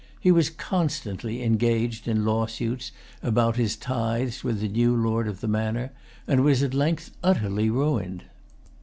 He was constantly engaged in lawsuits about his tithes with the new lord of the manor, and was at length utterly ruined.